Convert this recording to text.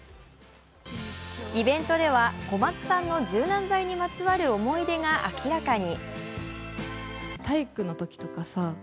イベントでは小松さんの柔軟剤にまつわる思い出が明らかに。